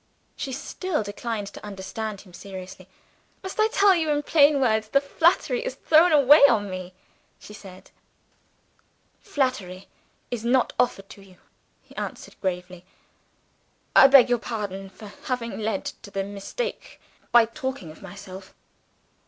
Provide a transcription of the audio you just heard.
She still declined to understand him seriously. "Must I tell you in plain words that flattery is thrown away on me?" she said. "Flattery is not offered to you," he answered gravely. "I beg your pardon for having led to the mistake by talking of myself."